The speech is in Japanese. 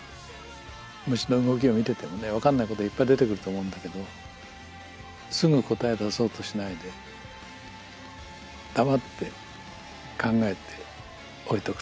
虫の動きを見ててもね分かんないこといっぱい出てくると思うんだけどすぐ答え出そうとしないで黙って考えて置いとく。